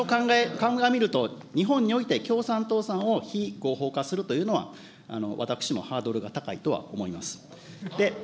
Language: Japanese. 鑑みると、日本において共産党さんを非合法化するというのは私もハードルが高いとは思います。